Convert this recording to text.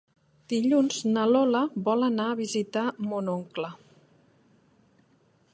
Dilluns na Lola vol anar a visitar mon oncle.